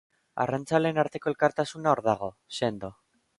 Arrantzaleen arteko elkartasuna hor dago, sendo.